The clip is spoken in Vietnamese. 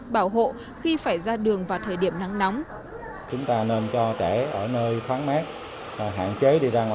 bảo hộ khi phải ra đường vào thời điểm nắng nóng